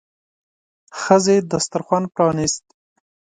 ښځې دسترخوان پرانيست.